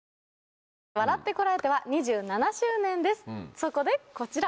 そこでこちら。